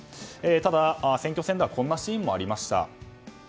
ただ、選挙戦ではこんなシーンもありました。